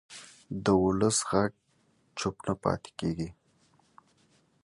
د ولس غږ چوپ نه پاتې کېږي